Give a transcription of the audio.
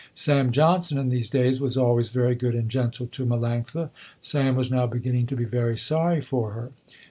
Sam Johnson in these days was always very good and gentle to Melanctha. Sam was now beginning to be very sorry for her.